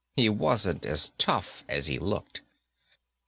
He wasn't as tough as he looked.